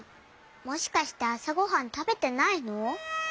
もしかしてあさごはんたべてないの？